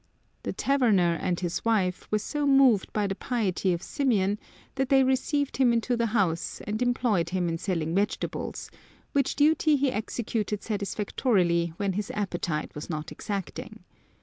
The taverner and his wife were so moved by the piety of Symeon that they received him into the house, and employed him in selling vegetables, which duty he executed satisfactorily when his appetite was not exacting.